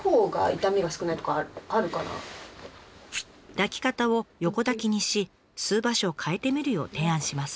抱き方を横抱きにし吸う場所を変えてみるよう提案します。